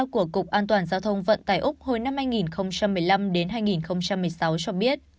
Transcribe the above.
của cục an toàn giao thông vận tải úc hồi năm hai nghìn một mươi năm đến hai nghìn một mươi sáu cho biết